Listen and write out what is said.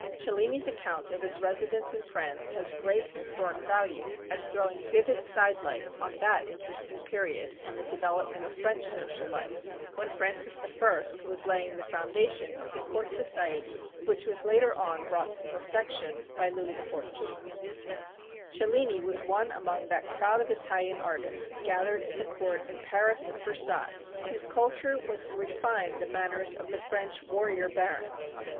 Cellini's account of his residence in France has great historic value as throwing vivid side lights on that interesting period in the development of French social life, when Francis I. was laying the foundation of the court society which was later on brought to perfection by Louis XIV. Cellini was one among that crowd of Italian artists gathered at the court in Paris and Versailles, whose culture was to refine the manners of the French warrior barons.